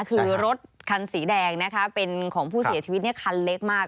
คือรถคันสีแดงนะคะเป็นของผู้เสียชีวิตคันเล็กมาก